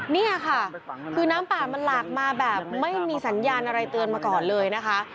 นี่ค่ะคือน้ำป่ามันหลากมาแบบไม่มีสัญญาณอะไรเตือนมาก่อนเลยนะคะ